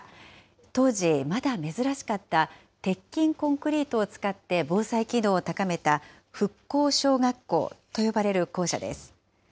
当時まだ珍しかった、鉄筋コンクリートを使って防災機能を高めた復興小学校と呼ばれる校舎です。